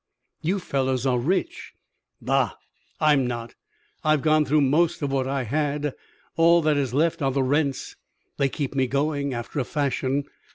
H'm! You fellows are rich " "Bah! I'm not. I've gone through most of what I had. All that is left are the rents; they keep me going, after a fashion.